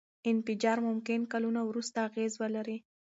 انفجار ممکن کلونه وروسته اغېز ولري.